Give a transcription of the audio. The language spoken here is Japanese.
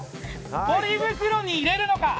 ポリ袋に入れるのか